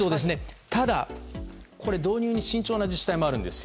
ただ、導入に慎重な自治体もあるんです。